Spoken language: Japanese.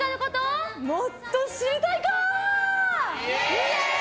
イエーイ！